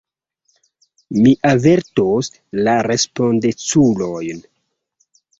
Mi avertos la respondeculojn.